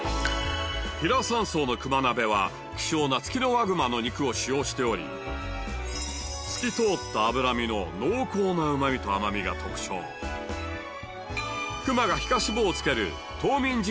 比良山荘の熊鍋は希少なの肉を使用しており透き通った脂身の濃厚なうま味と甘味が特徴熊が皮下脂肪をつけるの激